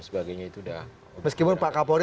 sebagainya itu dah meskipun pak kapolri